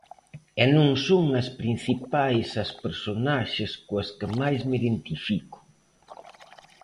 E non son as principais as personaxes coas que máis me identifico.